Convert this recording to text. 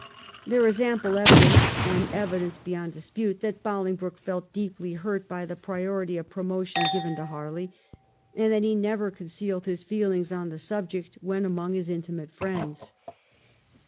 There is ample evidence, and evidence beyond dispute, that Boling broke felt deeply hurt by the priority of promotion given to Harley, and that he never concealed his feelings on the subject when among his intimate friends.